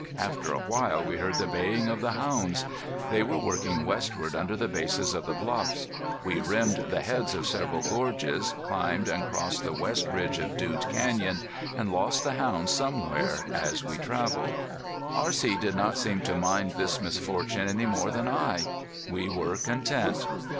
After a while we heard the baying of the hounds. They were working westward under the bases of the bluffs. We rimmed the heads of several gorges, climbed and crossed the west ridge of Dude Canyon, and lost the hounds somewhere as we traveled. R.C. did not seem to mind this misfortune any more than I. We were content.